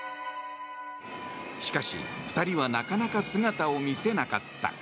しかし、２人はなかなか姿を見せなかった。